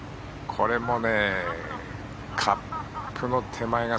これもカップの手前が。